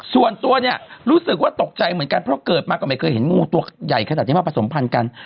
ส่วนตัวเนี่ยรู้สึกว่าตกใจเหมือนกันเพราะเกิดมาก็ไม่เคยเห็นงูตัวใหญ่ขนาดนี้มาผสมพันธ์กัน